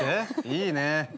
いいね。